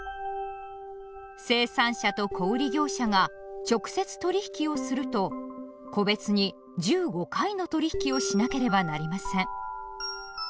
生産者と小売業者が直接取引をすると個別に１５回の取引をしなければなりません。